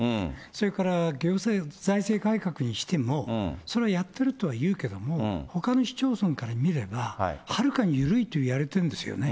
それから行政、財政改革にしても、それはやってるとはいうけども、ほかの市町村から見れば、はるかに緩いといわれているんですよね。